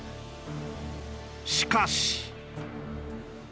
しかし。